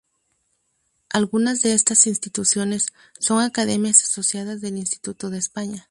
Algunas de estas instituciones son academias asociadas del Instituto de España.